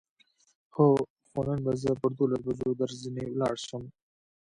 هو، خو نن به زه پر دولسو بجو درځنې ولاړ شم.